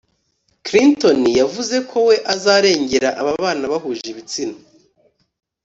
Clinton yavuze ko we azarengera ababana bahuje ibitsina